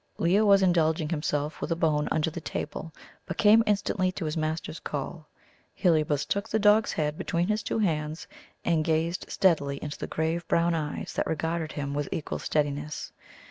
Leo was indulging himself with a bone under the table, but came instantly to his master's call. Heliobas took the dog's head between his two hands, and gazed steadily into the grave brown eyes that regarded him with equal steadiness.